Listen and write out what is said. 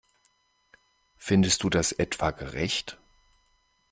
Findest du das etwa gerecht?